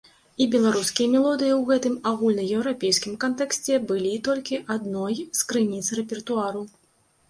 І беларускія мелодыі ў гэтым агульнаеўрапейскім кантэксце былі толькі адной з крыніц рэпертуару.